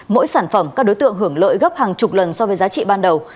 mỗi sản phẩm các đối tượng hưởng lợi gấp hàng chục lần so với giá trị ban đầu